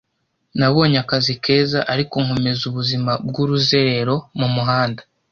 Nabonye akazi keza, ariko nkomeza ubuzima bw’uruzerero mu muhanda